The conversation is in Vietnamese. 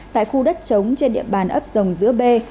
tại khu đất trống trên địa bàn ấp rồng giữa b